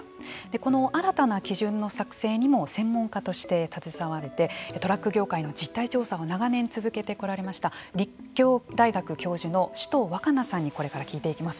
この新たな基準の作成にも専門家として携われてトラック業界の実態調査を長年続けてこられました立教大学教授の首藤若菜さんにこれから聞いていきます。